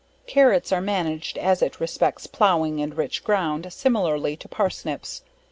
Carrots, are managed as it respects plowing and rich ground, similarly to Parsnips.